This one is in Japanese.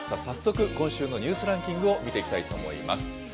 早速、今週のニュースランキングを見ていきたいと思います。